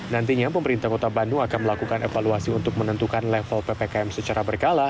nantinya pemerintah kota bandung akan melakukan evaluasi untuk menentukan level ppkm secara berkala